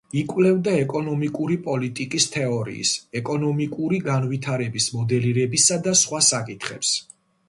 იკვლევდა ეკონომიკური პოლიტიკის თეორიის, ეკონომიკური განვითარების მოდელირებისა და სხვა საკითხებს.